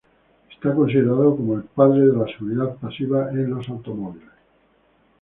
Está considerado como el padre de la seguridad pasiva de los automóviles.